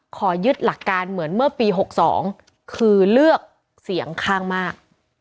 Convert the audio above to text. ขอยึดหลักการเหมือนเมื่อปี๖๒คือเลือกเสียงข้างมาก